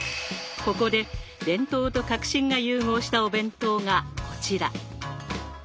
ここで伝統と革新が融合したお弁当がこちら。